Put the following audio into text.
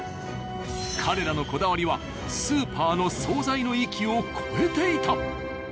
彼らのこだわりはスーパーの惣菜の域を超えていた。